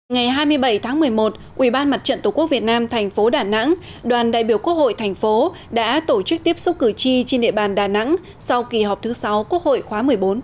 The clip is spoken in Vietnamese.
ngày hai mươi bảy tháng một mươi một ủy ban mặt trận tổ quốc việt nam thành phố đà nẵng đoàn đại biểu quốc hội thành phố đã tổ chức tiếp xúc cử tri trên địa bàn đà nẵng sau kỳ họp thứ sáu quốc hội khóa một mươi bốn